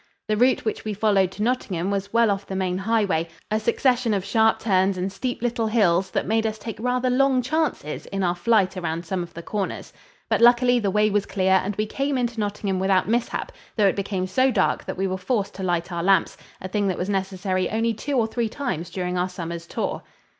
The route which we followed to Nottingham was well off the main highway a succession of sharp turns and steep little hills that made us take rather long chances in our flight around some of the corners. But, luckily, the way was clear and we came into Nottingham without mishap, though it became so dark that we were forced to light our lamps a thing that was necessary only two or three times during our summer's tour.